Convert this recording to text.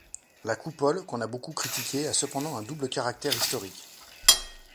La coupole, qu'on a beaucoup critiquée, a cependant un double caractère historique.